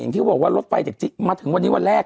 ที่เขาบอกว่ารถไฟจากจีนมาถึงวันนี้วันแรก